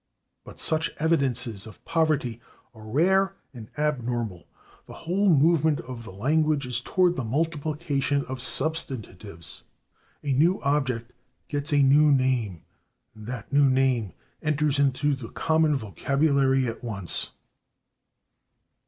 But such evidences of poverty are rare and abnormal; the whole movement of the language is toward the multiplication of substantives. A new object gets a new name, and that new name enters into the common vocabulary at once.